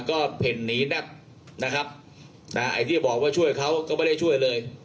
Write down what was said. ก็เพ่นหนีแบ๊บนะครับนะไอ้ที่บอกว่าช่วยเขาก็ไม่ได้ช่วยเลย